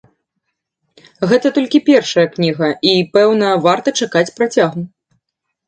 Гэта толькі першая кніга, і пэўна, варта чакаць працягу.